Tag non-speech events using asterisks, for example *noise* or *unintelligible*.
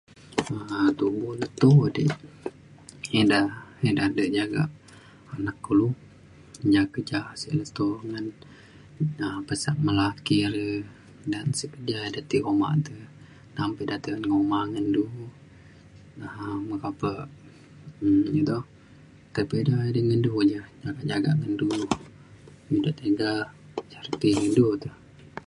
um tubo tubo di ida ida de jaga anak kulu ja keja *unintelligible* to ngan pesak me laki le dan sik keja de ti umah te. nam pa ida ti umah ngan du na meka pe um iu toh tai pa ida idi ngan du ja jagak jagak ngan du iu de tiga ida ti ngan du te